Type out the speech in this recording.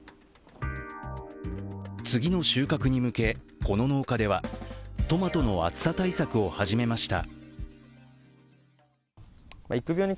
次の収穫に向け、この農家ではトマトの暑さ対策を始めました。